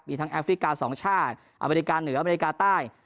มีทั้งแอฟริกา๒ชาติอเมริกาเหนืออเมริกาใต้